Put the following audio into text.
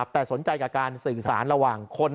แต่สนใจกับการสื่อสารระหว่างคน